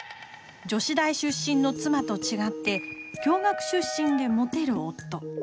女子大出身の妻と違って共学出身でモテる夫。